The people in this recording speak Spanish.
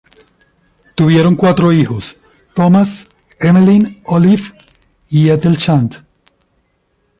Tuvieron cuatro hijos: Thomas, Emmeline, Olive y Ethel Chant.